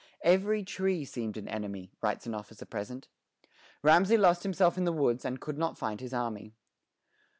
"Every tree seemed an enemy," writes an officer present. Ramesay lost himself in the woods, and could not find his army.